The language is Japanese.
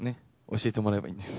教えてもらえばいいんじゃ。